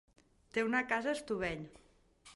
Té una casa a Estubeny.